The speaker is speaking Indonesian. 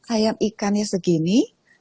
ayam ikannya segini